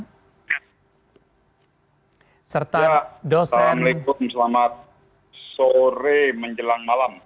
assalamualaikum selamat sore menjelang malam